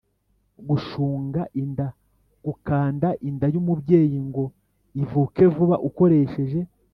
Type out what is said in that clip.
gushunga inda: gukanda inda y’umubyeyi ngo ivuke vuba ukoresheje